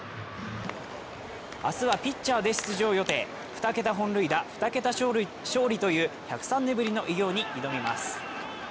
明日はピッチャーで出場予定、二桁本塁打二桁勝利という１０３年ぶりの偉業に挑みます。